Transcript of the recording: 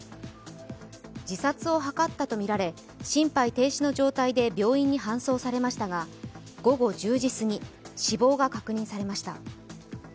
自殺を図ったとみられ心肺停止の状態で病院に搬送されましたが午後１０時すぎ、死亡が確認されました。